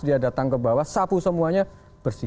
dia datang ke bawah sapu semuanya bersih